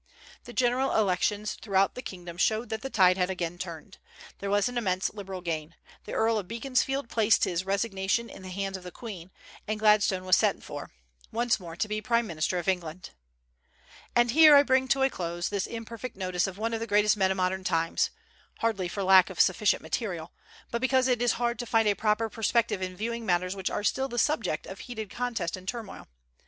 The general elections throughout the kingdom showed that the tide had again turned. There was an immense Liberal gain. The Earl of Beaconsfield placed his resignation in the hands of the Queen, and Gladstone was sent for, once more to be prime minister of England. And here I bring to a close this imperfect notice of one of the greatest men of modern times, hardly for lack of sufficient material, but because it is hard to find a proper perspective in viewing matters which are still the subject of heated contest and turmoil.